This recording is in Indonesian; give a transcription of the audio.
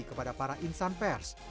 kepada para insan pers